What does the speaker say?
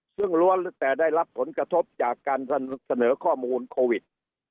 ซึ่งล้วนแต่ได้รับผลกระทบจากการเสนอข้อมูลโควิด